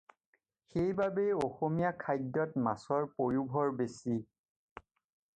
সেইবাবেই অসমীয়া খাদ্যত মাছৰ পয়োভৰ বেছি।